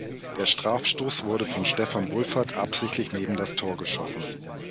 Der Strafstoß wurde von Steffen Wohlfahrt absichtlich neben das Tor geschossen.